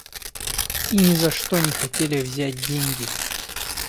И ни за что не хотели взять деньги.